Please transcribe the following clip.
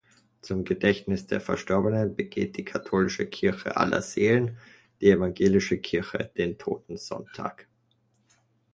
Zum Gedächtnis der Verstorbenen begeht die katholische Kirche Allerseelen, die evangelische Kirche den Totensonntag.